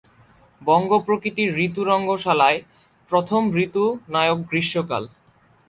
বঙ্গ প্রকৃতির ঋতু রঙ্গশালায় প্রথম ঋতুনায়ক গ্রীষ্মকাল।